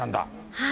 はい。